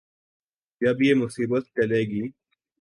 جب یہ مصیبت ٹلے گی۔